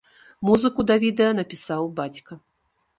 Музыку да відэа напісаў бацька.